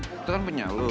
eh itu kan punya lo